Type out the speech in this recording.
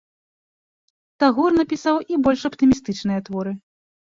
Тагор напісаў і больш аптымістычныя творы.